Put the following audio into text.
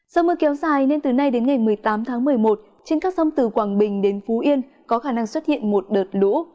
do mưa kéo dài nên từ nay đến ngày một mươi tám tháng một mươi một trên các sông từ quảng bình đến phú yên có khả năng xuất hiện một đợt lũ